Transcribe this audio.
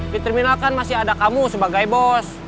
di terminal kan masih ada kamu sebagai bos